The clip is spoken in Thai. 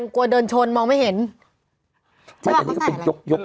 ของแม่ต้องเว้าลึก